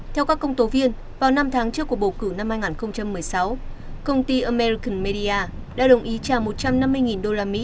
theo các công tố viên vào năm tháng trước cuộc bầu cử năm hai nghìn một mươi sáu công ty american media đã đồng ý trả một trăm năm mươi usd